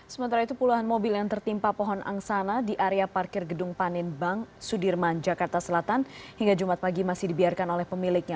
sementara itu puluhan mobil yang tertimpa pohon angsana di area parkir gedung panin bank sudirman jakarta selatan hingga jumat pagi masih dibiarkan oleh pemiliknya